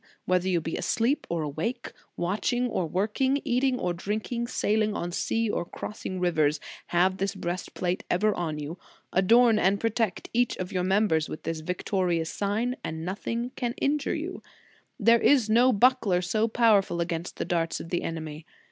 Whether you be asleep or awake, watching or working, eating or drinking, sailing on sea or crossing rivers, have this breast plate ever on you. Adorn and protect each of your members with this victorious sign, and nothing can injure you. * S. Chrys. Homil. xxii. ad popul. Antioch. 2O2 The Sign of the Cross There is no buckler so powerful against the darts of the enemy.